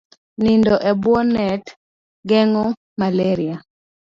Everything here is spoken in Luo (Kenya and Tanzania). Nindo e bwo net geng'o malaria